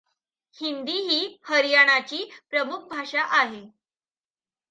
हिंदी ही हरियाणाची प्रमुख भाषा आहे.